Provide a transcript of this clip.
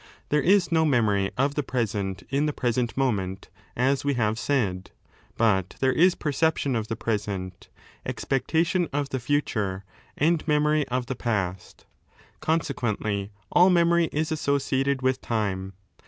There is no memory of the present in the present moment, as we have said, but there is percepLion of the present, expectation of the future, and memory of the past. Consequently, all imory is associated with time.